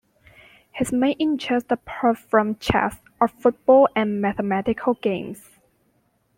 His main interest apart from chess are football and mathematical games.